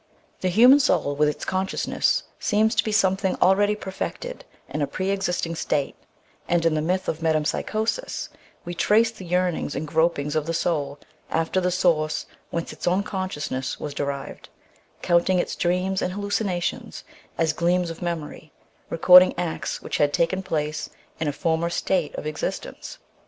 The human soul with its consciousness seemed to be something already perfected in a pre existing state, and, in the myth of metempsychosis, we trace the yearnings and gropings of the soul after the source whence its own consciousness was derived, counting its dreams and hal lucinations as gleams of memory, recording acts which had taken place in a former state of existence.